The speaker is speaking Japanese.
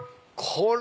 これ！